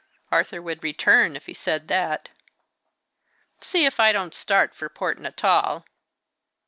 Arthur would return, if he said that. See if I don't start for Port Natal!"